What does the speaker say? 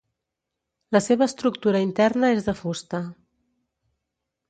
La seva estructura interna és de fusta.